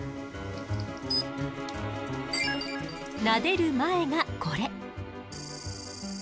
なでる前がこれ。